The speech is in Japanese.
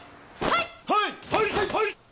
はい！